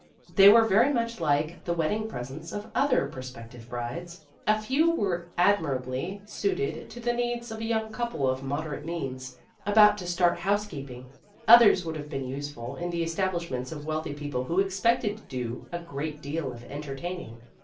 They were very much like the wed ding presents of other prospective brides. A few were admirably suited to the needs of a young couple of moderate means, about to start house keeping. Others would have been useful in the establishments of wealthy people who ex pected to do a great deal of entertaining.